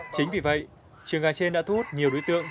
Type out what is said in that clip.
chính vì vậy trường gà trên đã thu hút nhiều đối tượng